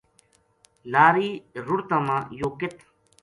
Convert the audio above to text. لاری رُڑتاں ما یوہ کِ